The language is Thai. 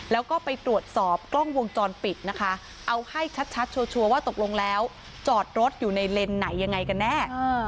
แล้วก็ไปตรวจสอบกล้องวงจรปิดนะคะเอาให้ชัดชัวร์ว่าตกลงแล้วจอดรถอยู่ในเลนส์ไหนยังไงกันแน่